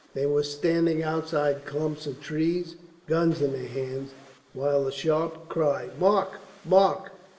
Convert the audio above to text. They were standing outside clumps of trees, guns in their hands, while the sharp cry, "Mark! Mark!"